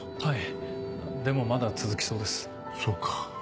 はいでもまだ続きそうです。